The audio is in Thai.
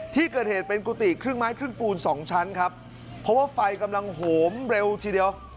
ที่เกิดเหตุเป็นกุฏิครึ่งไม้ครึ่งปูนสองชั้นครับเพราะว่าไฟกำลังโหมเร็วทีเดียว